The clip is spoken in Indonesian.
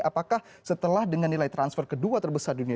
apakah setelah dengan nilai transfer kedua terbesar dunia